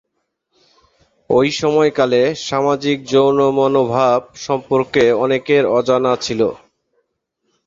ঐ সময়কালে, সামাজিক যৌন মনোভাব সম্পর্কে অনেকের অজানা ছিলো।